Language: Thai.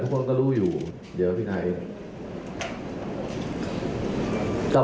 ทุกคนก็รู้อยู่เถี๋งสถานการณ์